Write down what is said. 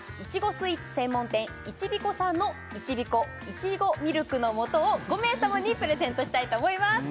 スイーツ専門店いちびこさんのＩＣＨＩＢＩＫＯいちごミルクのもとを５名様にプレゼントしたいと思います